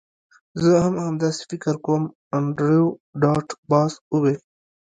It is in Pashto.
زه هم همداسې فکر کوم انډریو ډاټ باس وویل